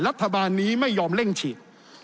รัฐบาลนี้ไม่ยอมเร่งฉีด